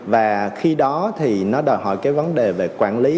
và khi đó thì nó đòi hỏi cái vấn đề về quản lý